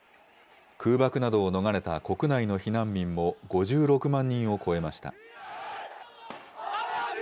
空爆などを逃れた国内の避難民も５６万人を超えました。